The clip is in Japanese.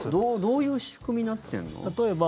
どういう仕組みになってるの？